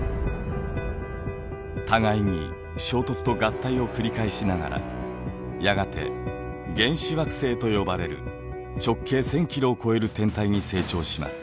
互いに衝突と合体を繰り返しながらやがて原始惑星と呼ばれる直径１，０００キロを超える天体に成長します。